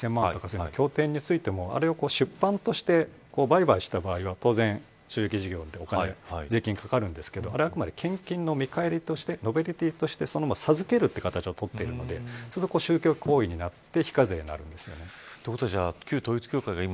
いわゆる高価な１０００万とかする経典についてもあれを出版として売買した場合は当然、収益事業で税金がかかるんですけどあれはあくまで献金の見返りとしてノベルティとして、授けるという形をとっているのでそうすると宗教行為になって非課税になるんです。